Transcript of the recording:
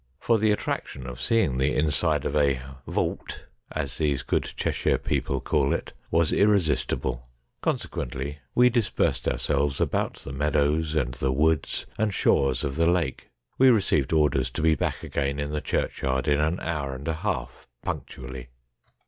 For the attraction of seeing the inside of a vaut, as these good Cheshire people call it, was irresistible. Consequently, we dispersed ourselves about the meadows and the woods and shores of the lake. We received orders to be back again in the churchyard in an hour and a half punctually.